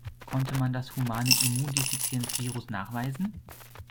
Konnte man das Humane Immundefizienz-Virus nachweisen?